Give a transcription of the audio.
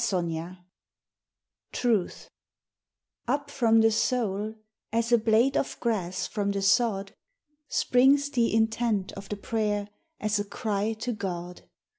XXIII Truth Up from the soul, as a blade of grass from the sod, Springs the intent of the prayer as a cry to God.